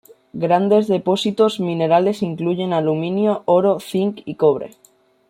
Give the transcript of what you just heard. Grandes depósitos minerales incluyen aluminio, oro, zinc y cobre.